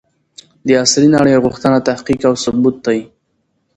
د عصري نړۍ غوښتنه تحقيق او ثبوت دی.